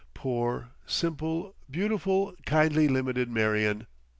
Poor, simple, beautiful, kindly limited Marion!